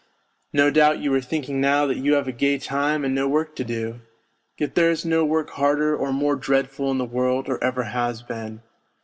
No doubt you are thinking now that you have a gay time and no work to do ! Yet there is no work harder or more dreadful in the world or ever has been.